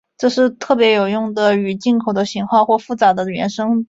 这是特别有用的与进口的型号或复杂的原生模式。